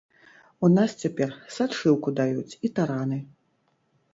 У нас цяпер сачыўку даюць і тараны.